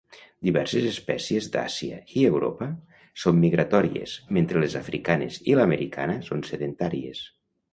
Diverses espècies d'Àsia i Europa són migratòries, mentre les africanes i l'americana són sedentàries.